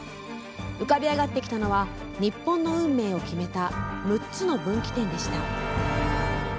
浮かび上がってきたのは日本の運命を決めた６つの分岐点でした。